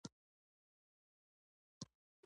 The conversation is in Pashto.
افغانستان تر هغو نه ابادیږي، ترڅو ملي ګټې سر کرښه وي.